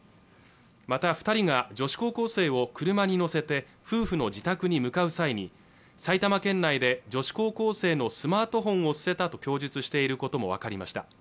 また二人が女子高校生を車に乗せて夫婦の自宅に向かう際に埼玉県内で女子高校生のスマートフォンを捨てたと供述していることも分かりました